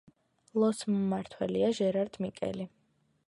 ლოს მმართველია ჟერარდ მიკელი.